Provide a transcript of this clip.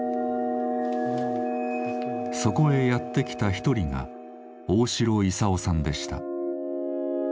そこへやって来た一人が大城勲さんでした。